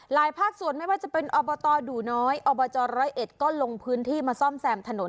ภาคส่วนไม่ว่าจะเป็นอบตดูน้อยอบจร้อยเอ็ดก็ลงพื้นที่มาซ่อมแซมถนน